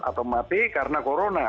atau mati karena corona